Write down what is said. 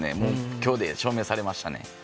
今日で証明されましたね。